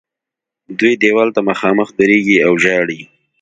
دوی دیوال ته مخامخ درېږي او ژاړي.